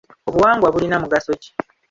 Obuwangwa bulina mugaso ki?